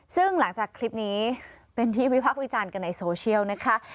ซึ่งหลังจากคลิปนี้เป็นที่วิพักษ์วิจารณ์กันในโซเชียลนะคะ